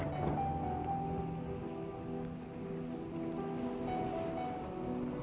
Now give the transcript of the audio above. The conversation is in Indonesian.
saya sudah berhenti mencari kamu